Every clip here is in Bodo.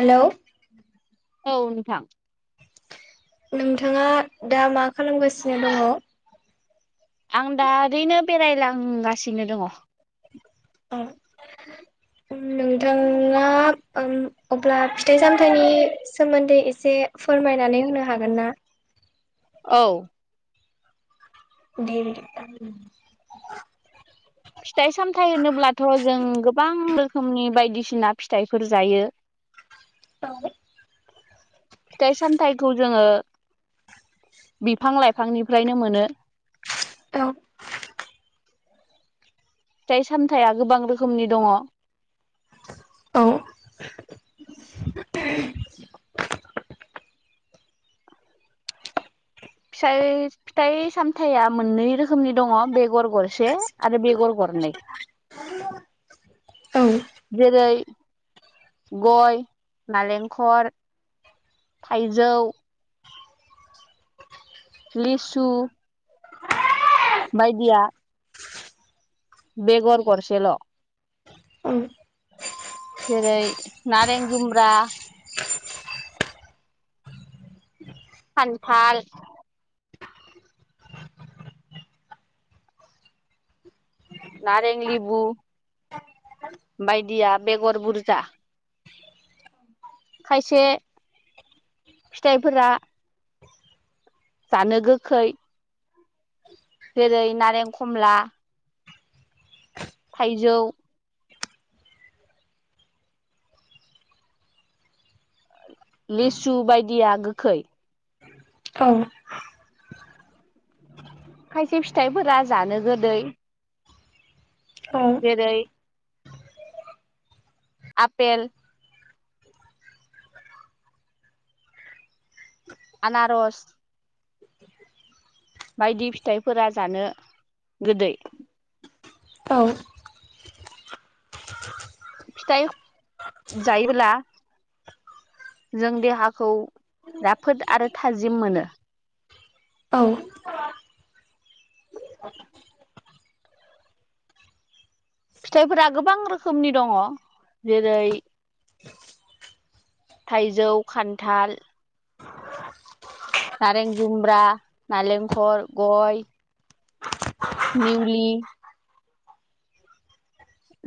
हेल' औ नोंथां। नोंथाङा दा मा खालामगासिनो दङ? आं दा ओरैनो बेरायलांगासिनो दङ। उ [unintelligible] नोंथाङा ओ अब्ला फिथाइ सामथाइनि सोमोन्दै एसे फोरमाय नानै होनो हागोन ना। औ दे फिथाइ सामथाइ होनोब्लाथ' फिना फिथाइफोर जायो। बिदिब्ला फिथाइ सामथायाइखौ जोङो बिफां लाइफांनिफ्रायनो मोनो। औ फिथाइ सामथायाइआ गोबां रोखोमनि दङ ए [unintelligible] फिथाइ फिथाइ सामथायाइया मोननै रोखोमनि दङ बेगर गरसे आरो बेर बेगर गरनै औ जेरै गय, नालेंखर, थाइजौ लिस, बायदिया बेगर गसेल'। औ जेरै नारें जुमब्रा खान्थाल, नारें, लेबु बायदिया बेगर बुरजा। खायसे फिथाइफोरा जानो गोखै जेरै नारें खमला थाइजौ लिसु बायदिया गोखै औ खायसे फिथाइफोरा जानो गोदै औ जेरै आफपेल आनारस बायदि फिथाइफोरा जानो गोदै औ फिथाइ जायोब्ला जों देहाखौ राफोद आरो थाजिम मोनो औ फिथाइफोरा गोबां रोखोमनि दङ जेरै थाइजौ खान्थाल नारें जुमब्रा नारेंखल गय निउलि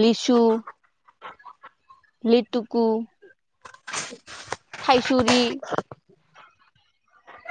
लिसु लिटुकु थाइसुरि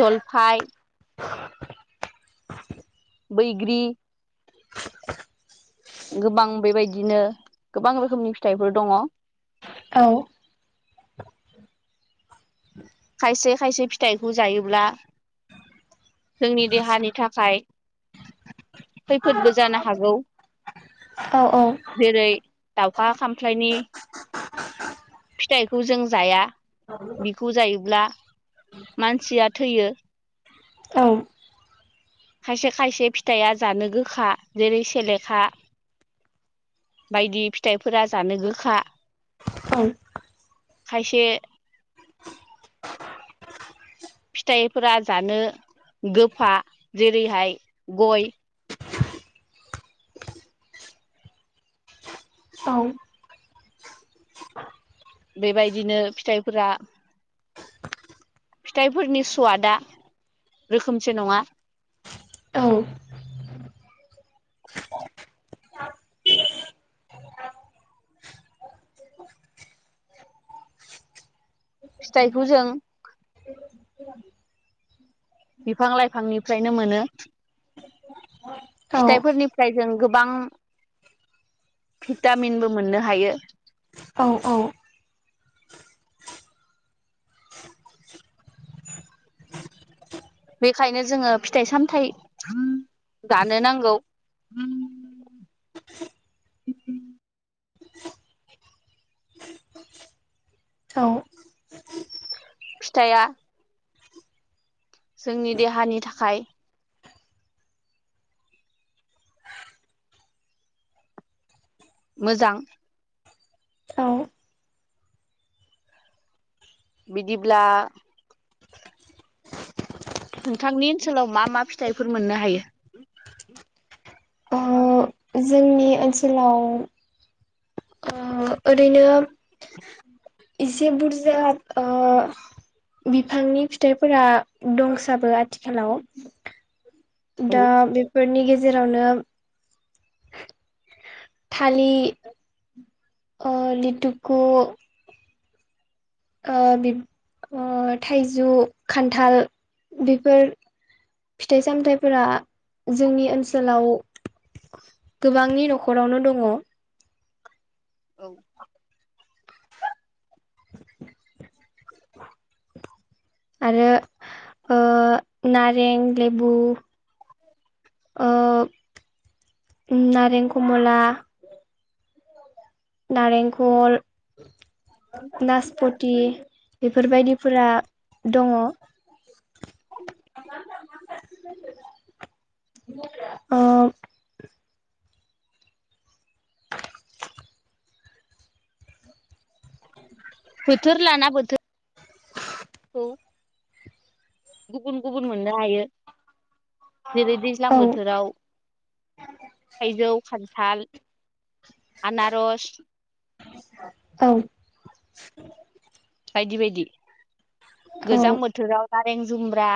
जलफाय बैग्रि गोबां बेबायदिनो गोबां रोखोमनि फिथाइफोर दङ औ खायसे खायसे फिथाइखौ जायोब्ला जोंनि देहानि थाखाय खैफोदबो जानो हागौ औ जेरै दाउखा खामख्लायनि फिथाइखौ जों जाया बिखौ जायोब्ला मानसिया थैयो औ खायसे खायसे फिथाइया जानो गोखा जेरै सेलेखा बायदि फिथाइफोरा जानो गोखा खायसे फिथाइफोरा जानो गोफा जेरैहाय गय औ बेबायदिनो फिथाइफोरा फिथाइफोरनि सवादा रोखोमसे नङा औ औ फिथाइखौ जों बिफां लाइफांनिफ्रायनो मोनो फिथाइफोरनिफ्राय जों गो गोबां भिटामिनबो मोननो हायो औ औ बेखायनो जोङो फिथाइ सामथायाइ जानो नांगौ [inaudible] [unintelligible] फिथाइया जोंनि देहानि थाखाय मोजां औ बिदिब्ला नोंथांनि ओनसोलाव मा मा फिथाइफोर मोननो हायो ओ जोंनि ओनसोलाव ओ ओरैनो इसे बुरजा ओ बिफांनि फिथाइफोरा दंसाबो आथिखालाव औ दा बेफोरनि गेजेरावनो थालि ओ लिटुखु ओ बिब ओ थाइजौ खान्थाल बिफोर फिथाइ सामथाइफोरा जोंनि ओनसोलाव गोबांनि न'खरावनो दङ औ आरो ओ नारें लेबु ओ नारें कमला नारेंखल नाजपत ति बेफोरबायदिफोरा दङ ओ बोथोर लाना बोथोर औ गुबुन गुबुन मोननो हायो जेरै दैज्लां औ बोथोराव थाइजौ खान्थाल आनारस औ बायदि बायदि गोजां औ बोथोराव नारें जुम्ब्रा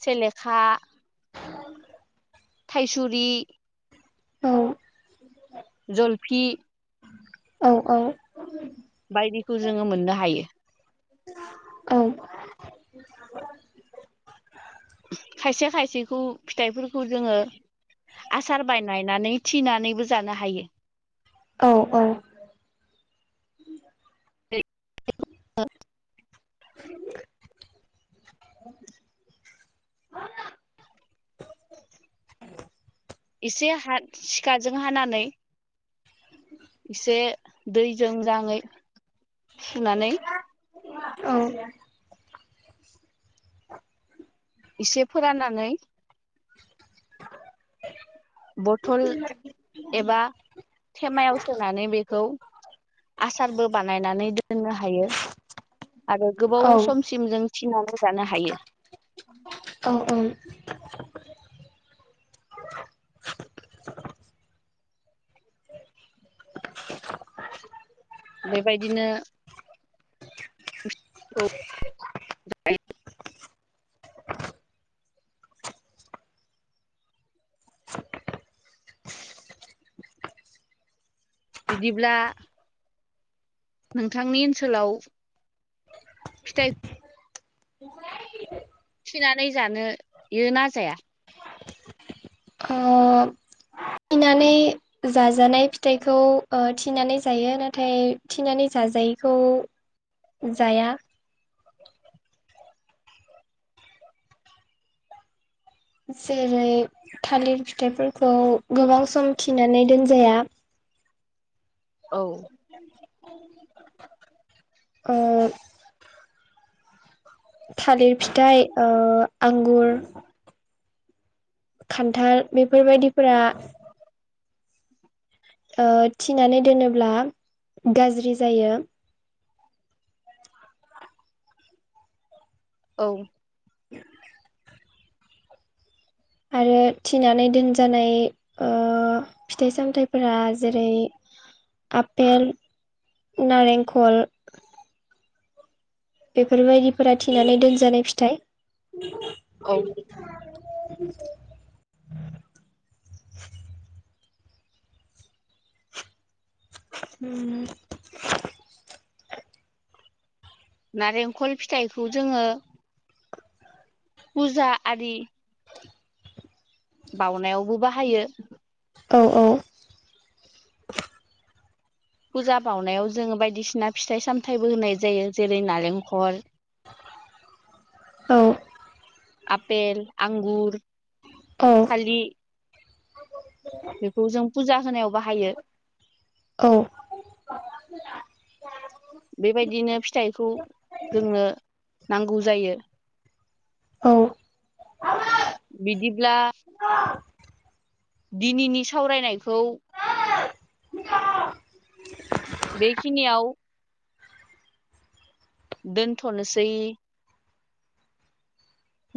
सेलेखा थाइसुरि औ जलफि औ औ बायदिखौ जोङो मोननो हायो औ खायसे खायसेखौ फिथाइफोरखौ जोङो आसार बायनायनानै थिनानैबो जानो हायो औ औ [unintelligible] [inaudible] [inaudible] एसे हा सिखाजों हानानै एसे दैजों मोजाङै सुनानै औ इसे फोराननानै बथल एबा थेमायाव सोनानै बेखौ आसारबो बानायनानै दोननो हायो आरो औ गोबाव समसिम जों थिनानै जानो हायो औ। बेबायदिनो [inaudible] बिदिब्ला नोंथांनि ओनसोलाव फिथाइ थिनानै जानो यो ना जाया थिनानै जाजानाय फिथाइखौ ओ थिनानै जायो नाथाय थिनानै जाजाय यिखौ जाया जेरै थालिर फिथाइफोरखौ गोबां सम थिनानै दोनजाया औ ओ थालिर फिथाइ ओ आंगुर खान्थाल बेफोरबायदिफोरा ओ थिनानै दोनोब्ला गाज्रि जायो। औ आरो थिनानै दोनजानाय ओ फिथाइ सामथायाइफोरा जेरै आफपेल नारेंखल बेफोरबायदिफोरा थिनानै दोनजानाय फिथाइ औ [unintelligible] [unintelligible] नारेंखल फिथाइखौ जोङो फुजा आदि बावनायावबो बाहायो औ औ फुजा बावनायाव जोङो बायदिसिना फिथाइ सामथायाइबो होनाय जायो जेरै नारेंखल औ आपेल आंगुर औ थालि बेखौ जों फुजा होनायाव बाहायो औ बेबायदिनो फिथाइखौ जोंनो नांगौ जायो‌ औ बिदिब्ला - दिनैनि सावरायनायखौ बेखिनि आव दोनथ'नोसै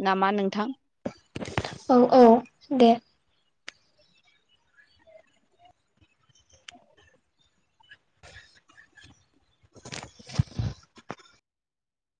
नामा नोंथां औ औ दे